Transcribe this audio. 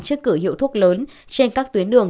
trước cửa hiệu thuốc lớn trên các tuyến đường